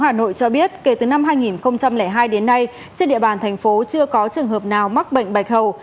trung tâm kiểm soát bệnh tật tp hà nội cho biết kể từ năm hai nghìn hai đến nay trên địa bàn thành phố chưa có trường hợp nào mắc bệnh bạch hầu